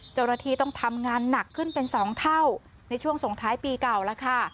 เจ้าหน้าที่ต้องทำงานหนักขึ้นเป็น๒เท่าในช่วงส่งท้ายปีเก่าแล้วค่ะ